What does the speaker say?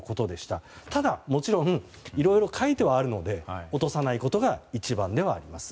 ただ、もちろんいろいろ書いてはあるので落とさないことが一番ではあります。